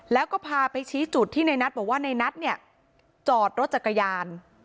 แล้วก็พาไปชี้จุดที่ในนัทบอกว่าในนัทเนี่ยจอดรถจักรยาน